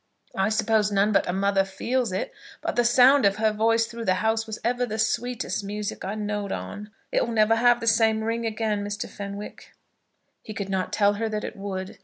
I suppose none but a mother feels it, but the sound of her voice through the house was ever the sweetest music I know'd on. It'll never have the same ring again, Mr. Fenwick." He could not tell her that it would.